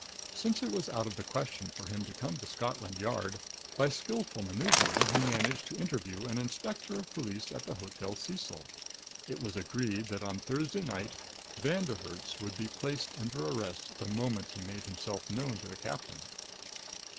Since it was out of the question for him to come to Scotland Yard, by skillful maneuvering he managed to interview an inspector of police at the Hotel Cecil. It was agreed that on Thursday night Von der Herts would be placed under arrest the moment he made himself known to the captain."